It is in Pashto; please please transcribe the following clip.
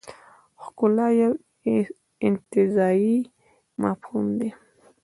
ښکلا یو انتزاعي مفهوم دی.